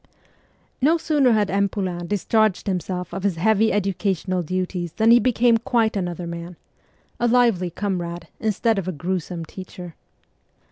No sooner had M. Poulain discharged himself of his heavy educational duties than he became quite another man a lively comrade instead of a gruesome teacher.